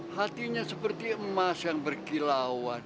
hatinya seperti emas yang berkilauan